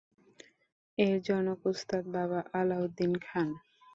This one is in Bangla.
এর জনক ওস্তাদ বাবা আলাউদ্দিন খান।